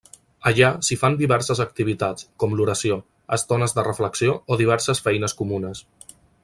Allà s'hi fan diverses activitats, com l'oració, estones de reflexió o diverses feines comunes.